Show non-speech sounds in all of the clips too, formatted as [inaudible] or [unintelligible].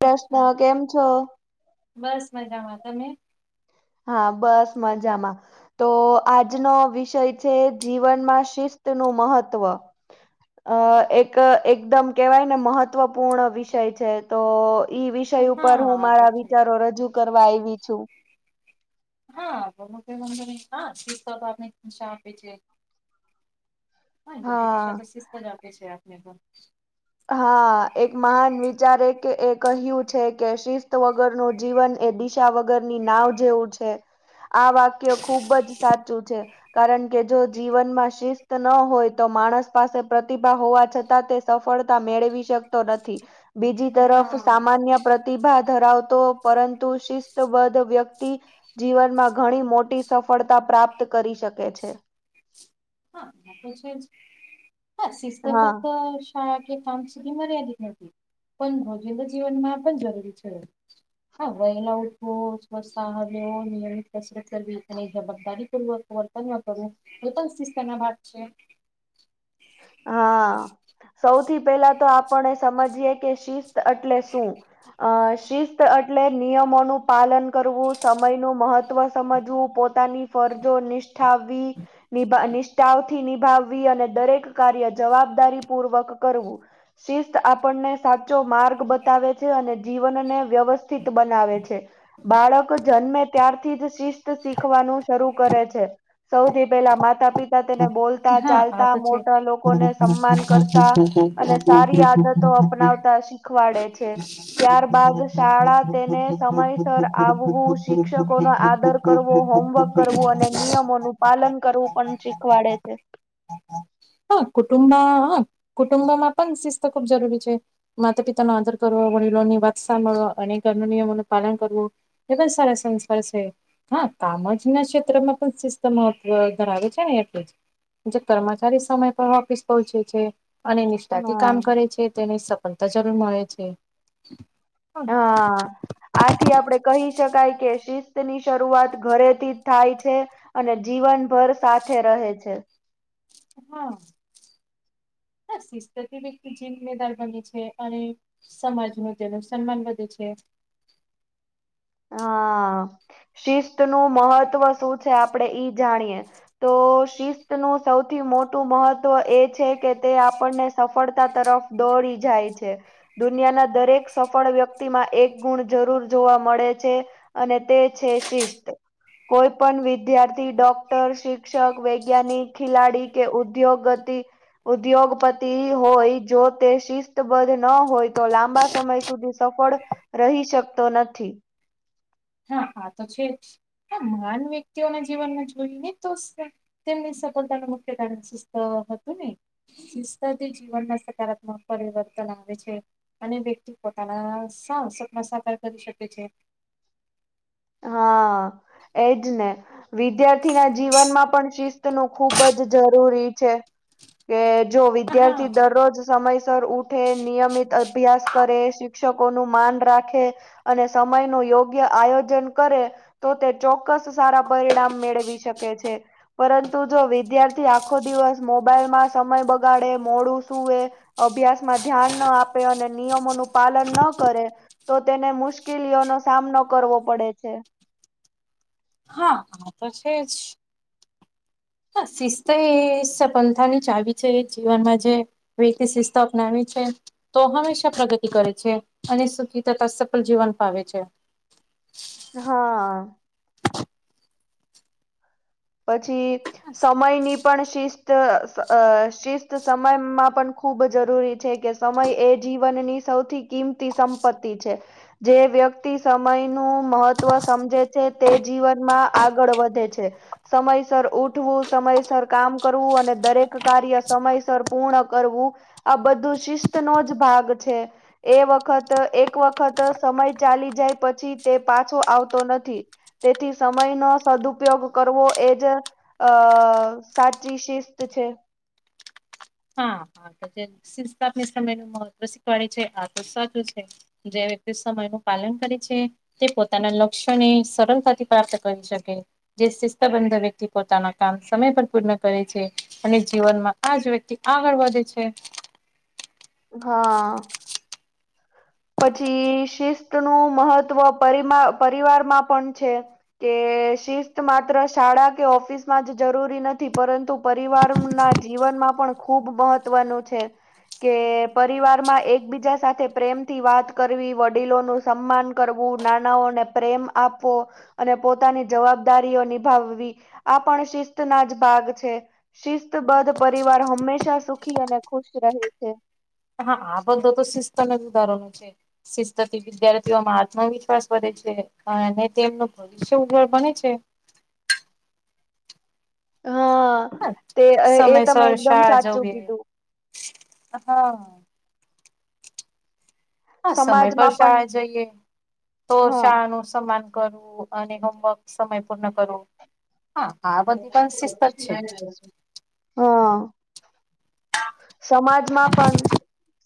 પ્રશ્ન, કેમ છો? બસ, મજામાં તમે? હા, બસ મજામાં. તો આજનો વિષય છે, જીવનમાં શિસ્તનું મહત્વ. અ એક-એકદમ કેવાયને મહત્વપૂર્ણ વિષય છે તો ઈ વિષય ઉપર હું હા તો મારા છે વિચારો રજૂ કરવા આઈવી છું. હા, [unintelligible] આપને દિશા આપે છે. હા, ગમે [unintelligible] શિસ્ત જ આપે છે, આપને પણ. હા, એક મહાન વિચારે કે એ કહ્યું છે કે, શિસ્ત વગરનું જીવન એ દી ચા વગરની નાવ જેવું છે, આ વાક્ય ખુબ જ સાચું છે. કારણ કે, જો જીવનમાં શિસ્ત ન હોય તો માણસ પાસે પ્રતિભા હોવા છતાં તે સફળ તા મેળવી શકતો નથી. બીજી તરફ હા સામાન્ય પ્રતિભા ધરાવતો પરંતુ શિસ્તબદ્ધ વ્યક્તિ જીવનમાં ઘણી મોટી સફળતા પ્રાપ્ત કરી શકે છે. હા, એ તો છે જ. હા, શિસ્ત હા. ફક્ત [unintelligible] કે કામ સુધી મર્યાદિત નથી, પણ [unintelligible] જીવનમાં પણ જરૂરી છે. હન વહેલા ઉઠવો, સ્વસ્થ આહાર લેવો, નિયમિત કસરત કરવી અને [unintelligible] પૂર્વક વર્તન ન કરવુ એ પણ શિસ્તના ભાગ છે. હા. સૌથી પહેલા તો આપણે સમજીયે કે શિસ્ત એટલે શું? અ શિસ્ત એટલે નિયમોનું પાલન કરવું, સમયનું મહત્વ સમજવું, પો પોતાની ફરજો નિષ્ઠાવી, નિભા નિષ્ઠાવથી નિભાવવી અને દરેક કાર્ય જવાબદારી પૂર્વક કરવું. શિસ્ત આપડને સાચો માર્ગ બતાવે છે અને જીવનને વ્યવસ્થિત બનાવે છે. બાળક જન્મે ત્યારથી જ શિસ્ત શીખવાનું શરૂ કરે છે. સૌથી પેલા માતા-પિતા તેને બોલતા, હા આ ચાલતા, તો છે મો લોકોને સમ્માન કરતા અને સારી આદતો અપનાવતા શી ખવાડે છે, ત્યાર બાદ શાળા તેને સમયસર આવવું શિક્ષકોનો આદર કરવો, હોમવર્ક કરવુ અને નિયમોનું પાલન કરવું પણ શીખવાડે છે. હઅ, કુટુંબમાં હઅ કુટુંબમમાં પણ શિસ્ત ખૂબ જરૂરી છે. માતા-પિતાનો આદર કરવો, વડીલોની વાત સાંભળવા અને ઘરના નિયમોનું પાલન કરવું. એ પણ સારા સંસ્કાર છે. હઅ, કામજના ક્ષેત્રમાં પણ શિસ્ત મહત્વ ધરાવે છે ને એટલે જ. જે કરમાં જ [unintelligible] સમય પર ઓફિસ પહોંચે છે, અને નિષ્ઠાથી હા કામ કરે છે તેને સ પણ [unintelligible] મળે છે. અહ હા આથી આપડે કહી શકાય કે શિસ્તની શરૂઆત ઘરેથી જ થાય છે અને જીવનભર સાથે રહે છે. હઅ. ના શિસ્ત થી વ્યકતિ, જિમ્મેદાર બની છે, અને સમાજ નું તેનું સન્માન વધુ છે. હા, શિસ્ત નું મહત્વ શું છે? આપડે ઈ જાણીએ. તો શિસ્તનું સૌથી મોટું મહત્ત્વ એ છે કે, તે આપણને સફળતા તરફ દોડી જાય છે. દુનિયાના દરેક સફળ વ્યક્તિમાં એક ગુણ જરૂર જોવા મળે છે. અને તે છે, શિસ્ત. કોઈ પણ વિદ્યાર્થી, ડોક્ટર, શિક્ષક, વૈજ્ઞાનિક, ખેલાડી કે ઉદ્યોગતિ ઉદ્યોગપતિ હોય, જો તે શિસ્તબદ્ધ ન હોય, તો લાંબા સમય સુધી સફળ રહી શકતો નથી. હા, આ તો છે જ, આ મહાન વ્યક્તિઓના જીવનમાં જોઈને તો તેમની સફળતાનું મુખ્ય કારણ સિસ્થ હતું ને?. શિસ્તથી જીવનમાં સકારાત્મક પરિવર્તન આવે છે. અને વ્યક્તિ પોતાના સાહસમાં સાકાર કરી શકે છે. હા, એજ ને. વિદ્યાર્થીના જીવનમાં પણ શિસ્ત નું ખુબ જ જરૂરી છે. કે, જો હા વિદ્યાર્થી દરરોજ સમયસર ઉઠે, નિયમિત અભ્યાસ કરે, શિક્ષકોનું માન રાખે અને સમય નું યોગ્ય આયોજન કરે તો, તે ચોક્કસ સારા પરિણામ મેળવી શકે છે. પરંતુ જો વિદ્યાર્થી આખો દિવસ મોબાઈલમાં સમય બગાડે, મોડું સુૂવે અભ્યાસમાં ધ્યાન ના આપે, અને નિયમોનું પાલન ના કરે, તો તેને મુશ્કેલીઓ નો સામનો કરવો પડે છે. હા, આ તો છે જ. હ, શિસ્ત એ સફલતાની ચાવી છે, જીવનમાં જે [inaudible] શિસ્ત અપનાવે છે. તો હંમેશા પ્રગતિ કરે છે, અને સુખી તથા સફળ જીવન ફાવે છે. હા. પછી સમયની પણ શિસ્ત શિસ્ત સમયમાં પણ ખૂબ જરૂરી છે કે સમય એ જીવનની સૌથી કિંમતી સંપત્તિ છે. જે વ્યક્તિ સમયનું મહત્વ સમજે છે, તે જીવનમાં આગળ વધે છે. સમયસર ઉઠવું, સમયસર કામ કરવું, અને દરેક કાર્ય સમયસર પૂર્ણ કરવું. આ બધું શિસ્ત નો જ ભાગ છે. એ વખત એક વખત સમય ચાલી જાય, પછી તે પાછો આવતો નથી. તેથી સમય નો સદુપયોગ કરવો એજ અ, સાચી શિસ્ત છે. હા, હા. તો જે શિક્ષણ સમય નુ મહત્વ શીખવાડે છે, આ તો સાચું છે. જે વ્યક્તિ સમય નું પાલન કરે છે તે પોતાના લક્ષ્યને સરળતાથી પ્રાપ્ત કરી શકે. જે શિસ્તબંધ વ્યક્તિ પોતાના કામ સમય પર પૂર્ણ કરે છે, અને જીવનમાં આ જ વ્યક્તિ આગળ વધે છે. હા. પછી શિસ્ત નું મહત્વ પરિમા પરિવારમાં પણ છે. કે શિસ્ત માત્ર શાળા કે, ઓફિસમાં જ જરૂરી નથી, પરંતુ પરિવાર ના જીવનમાં પણ ખૂબ મહત્વનું છે. કે પરિવારમાં એકબીજા સાથે પ્રેમ થી વાત કરવી, વડીલો નું સન્માન કરવું, નાનાઓને પ્રેમ આપવો. અને પોતાની જવાબદારીઓ નિભાવવી, આ પણ શિસ્તના જ ભાગ છે. શિસ્તબદ્ધ પરિવાર હંમેશા સુખી અને ખુશ રહે છે. હા, આ બધું તો સિસ્ટમ સુધારવાનું છે. શિસ્તથી વિદ્યાર્થીઓમાં આત્મવિશ્વાસ વધે છે. અને તેમનું પણ... શુભ ફળ બને છે. હા, હા તે તમે સમયસર એકદમ શાળા સાચું જઈએ કીધું. હા. હા, સમય પર સમાજમાં પણ શાળાએ જઈએ, તો હા શાળાનું સન્માન કરવું. અને હોમવર્ક સમય પર પૂર્ણ કરવું, હા, આ બધી શિસ્ત જ છે. હા, સમાજમાં પણ...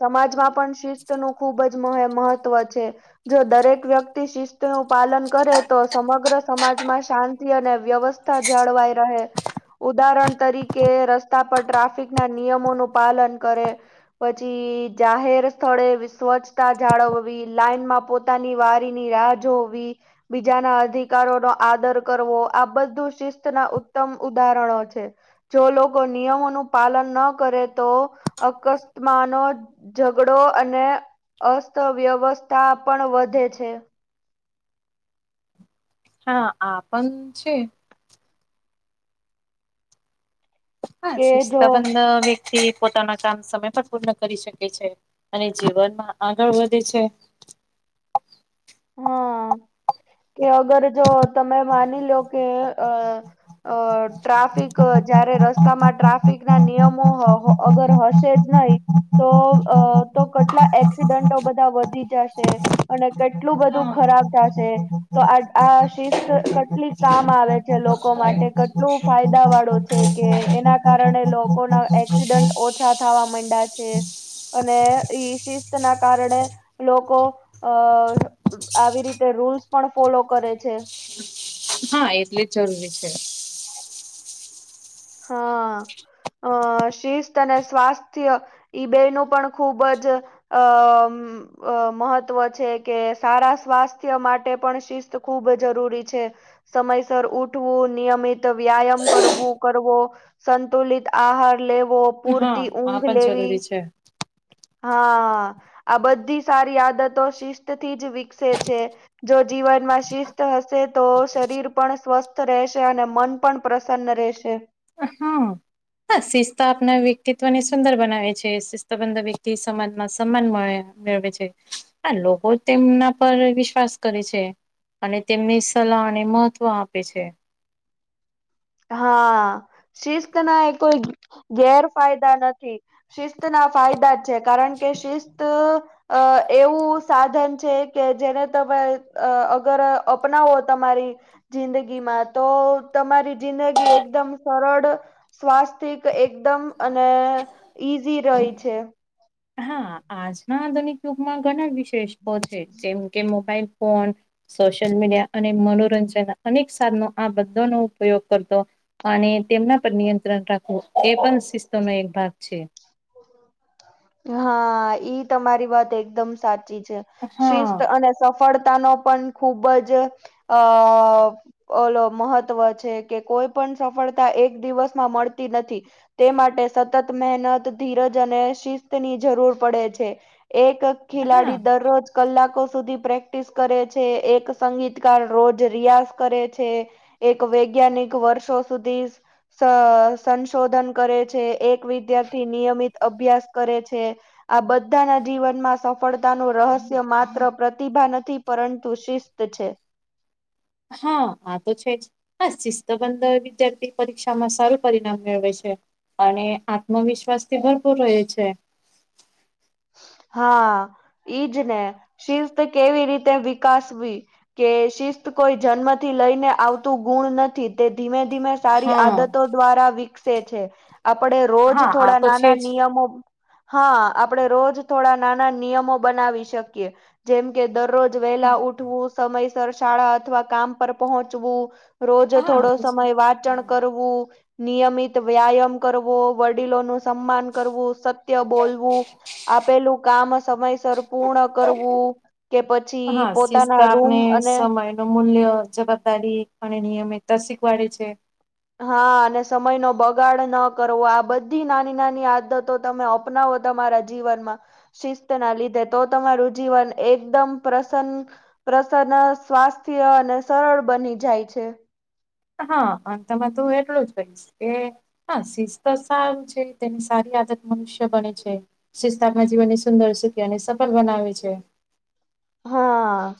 સમાજમાં પણ શિસ્તનું ખૂબ જ મહત્વ છે. જો દરેક વ્યક્તિ શિસ્તનું પાલન કરે તો સમગ્ર સમાજમાં શાંતિ અને વ્યવસ્થા... જળવાઈ રહે. ઉદાહરણ તરીકે, રસ્તા પર ટ્રાફિકના નિયમોનું પાલન કરે. પછી જાહેર સ્થળે સ્વચ્છતા જાળવવી, લાઈનમાં પોતે... પોતાની વારીની રાહ જોવી. બીજાના અધિકારોનો આદર કરવો, આ બધું... શિસ્ત ના, ઉત્તમ ઉદાહરણો છે. જો લોકો નિયમોનું પાલન ન કરે, તો અકસ્માતો... ઝઘડો અને અસ્ત વ્યવસ્થા પણ વધે છે. હા, આપણ છે. હા, કે જો શિસ્તબદ્ધ... થી પોતાનું કામ સમયસર પૂર્ણ કરી શકે છે, અને જીવનમાં આગળ વધે છે. હા, કે અગર જો તમે માની લો કે... અરે, ટ્રાફિક... જ્યારે રસ્તામાં ટ્રાફિકના નિયમો અગર હશે જ નહીં... તો કેટલા એક્સિડન્ટો બધા વધી જાશે, અને... એટલું બધું ખરાબ થાશે. તો આ શિસ્ત કેટલી કામ આવે છે લોકો માટે, કેટલું ફાયદાવાળું છે. કે એના કારણે લોકોના એક્સિડન્ટ ઓછા થવા માંડ્યા છે. અને એ શિસ્તના કારણે લોકો... આવી રીતે રૂલ્સ પણ ફોલો કરે છે. હા, એટલે જ જરૂરી છે. હા, શિસ્ત અને સ્વાસ્થ્ય... એ બંનેનું પણ ખૂબ જ... અ મહત્વ છે કે સારા સ્વાસ્થ્ય માટે પણ શિસ્ત ખૂબ જરૂરી છે. સમયસર ઊઠવું, નિયમિત વ્યાયામ કરવું. કરવો, સંતુલિત આહાર લેવો, હા પૂરતી આ ઊંઘ પણ લેવી. જરૂરી છે હા અ. આ બધી સારી આદતો શિસ્તથી જ વિકસે છે. જો જીવનમાં શિસ્ત હશે તો શરીર પણ સ્વસ્થ રહેશે અને મન પણ પ્રસન્ન રહેશે. હ. હા. હા, શિસ્ત આપણા વ્યક્તિત્વને સુંદર બનાવે છે. શિસ્તબદ્ધ વ્યક્તિને સમાજમાં સન્માન મળે. મેળવે છે, લોકો તેમના પર વિશ્વાસ કરે છે. અને તેમની સલાહને મહત્વ આપે છે. હા. શિસ્તના કોઈ ગેરફાયદા નથી, શિસ્તના ફાયદા. છે, કારણ કે શિસ્ત એવું સાધન છે કે, જેને તમે અગર અપનાવો, તમારી જિંદગીમાં તો, તમારી જિંદગી એકદમ સરળ. સ્વાસ્થિક એકદમ અને ઈઝી રહી છે. હા, આજના આધુનિક યુગમાં ઘણા વિશેષકો છે, જેમ કે મોબાઈલ ફોન. સોશિયલ મીડિયા અને મનોરંજન અનેક સાધનો આ બધો નો ઉપયોગ કરતો. અને તેમના પર નિયંત્રણ રાખવું એ, પણ શિસ્તનો એક ભાગ છે. હા, ઈ તમારી વાત એકદમ સાચી છે. હા શિસ્ત અને સફળતા નો પણ ખુબ જ અ ઓલો મહત્વ છે કે, કોઈ પણ સફળતા એક દિવસમાં મળતી નથી. તે માટે સતત મહેનત. ધીરજ અને શિસ્ત ની જરૂર પડે છે, એક હા ખેલાડી દરરોજ કલાકો સુધી પ્રેક્ટિસ કરે છે, એક સંગીતકાર રોજ રિયાઝ કરે છે. એક વૈજ્ઞાનિક વર્ષો સુધી. સંશોધન કરે છે, એક વિદ્યાર્થી નિયમિત અભ્યાસ કરે છે. આ બધાના જીવનમાં સફળતા નું રહસ્ય માત્ર પ્રતિભા નથી, પરંતુ શિસ તો છે. હા, આ તો છે જ. હા, શિસ્ત બંધ વિદ્યાર્થી પરીક્ષામાં સારું પરિણામ મેળવે છે. અને આત્મવિશ્વાસથી ભરપૂર રહે છે. હા, ઈજ ને, શિસ્ત કેવી રીતે વિકાસવી. કે શિસ્ત કોઈ જન્મથી લઈને આવતું ગુણ નથી, તે ધીમે-ધીમે સારી હા આદતો દ્વારા વિકસે છે, આપડે રોજ હા આ થોડા તો છે નાના જ નિયમો. હા, આપડે રોજ થોડા નાના નિયમો બનાવી શકીએ. જેમ કે દરરોજ વહેલા ઉઠવું, સમયસર શાળા અથવા કામ પર પહોંચવું. રોજ હા આ થોડો તો છે સમય હા વાચણ કરવું. નિયમિત વ્યાયામ કરવો, વડીલોનું સન્માન કરવું, સત્ય બોલવું. આપેલું કામ સમયસર પૂર્ણ કરવું કે, પછી પોતાના રૂમ અને ન મૂલ્ય જવાબદારી અને નિયમ એ તસિક વાળે છે. હા, અને સમય નો બગાડ ન કરવો, આ બધી નાની-નાની આદતો તમે સપનાવ તમારા જીવનમાં. શિસ્ત ના લીધે તો, તમારું જીવન એકદમ પ્રસન્ન પ્રસન, સ્વાસ્થ્ય અને સરળ બની જાય છે. હા, અંતમાં તું એટલું જ કહીશ કે. હા, શિસ્ત સારું છે, તેની સારી આદત મનુષ્ય બને છે. સિસ્તાકમાં જીવનની સુંદર સુખ અને સફળ બનાવે છે. હા.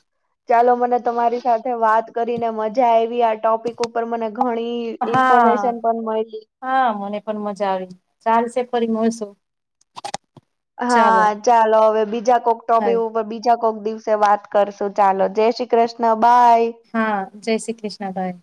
ચાલો મને તમારી સાથે વાત કરીને મજા આરવી આ ટોપિક ઉપર મને ઘણી હા. ઇન્ફોર્મેશન પણ મળી હા મને પણ મજા આવી ચાલશે ફરી મળશું. હા, ચાલો હવે બીજા કોક હા ટોપી ઉપર બીજા કોક દિવસ સે વાત કરશું ચાલો જય શ્રી કૃષ્ણ, બાય. હા, જય શ્રી કૃષ્ણ બાઈ.